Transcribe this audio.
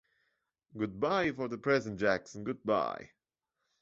Good-bye for the present, Jackson, good-bye.